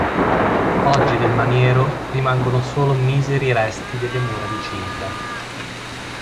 Oggi del maniero rimangono solo miseri resti delle mura di cinta.